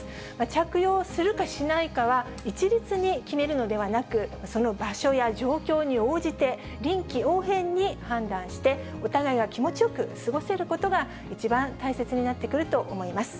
着用するかしないかは、一律に決めるのではなく、その場所や状況に応じて、臨機応変に判断して、お互いが気持ちよく過ごせることが、一番大切になってくると思います。